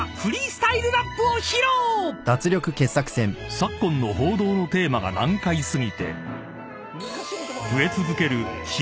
［昨今の報道のテーマが難解過ぎて］